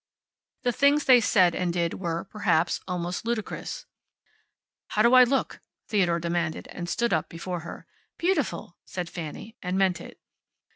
The things they said and did were, perhaps, almost ludicrous. "How do I look?" Theodore demanded, and stood up before her. "Beautiful!" said Fanny, and meant it.